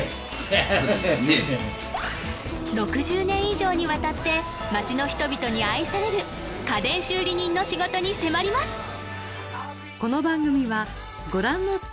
６０年以上にわたって町の人々に愛される家電修理人の仕事に迫ります